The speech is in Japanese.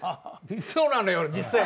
そうなのよ実際。